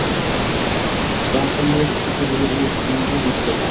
Balqanqaychili – Qashqadaryo viloyati Kitob tumani. qishloq.